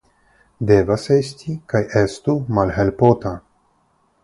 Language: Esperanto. Devas esti kaj estu malhelpota.